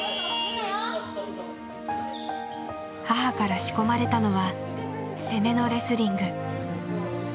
母から仕込まれたのは「攻め」のレスリング。